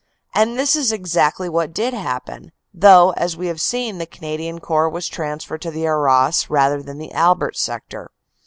And this is exactly what did happen, though, as we have seen, the Canadian Corps was transferred to the Arras rather than the Albert sector.